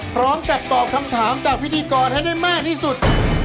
พร้อมกับตอบคำถามจากพิธีกรให้ได้มากที่สุด